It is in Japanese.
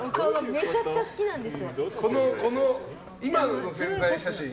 めちゃくちゃ好きなんです